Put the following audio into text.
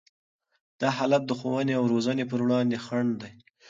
دا حالت د ښوونې او روزنې پر وړاندې خنډ دی.